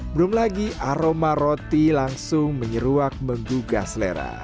belum lagi aroma roti langsung menyeruak menggugah selera